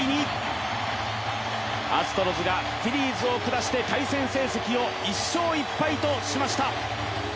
５−２、アストロズがフィリーズを下して対戦成績を１勝１敗としました。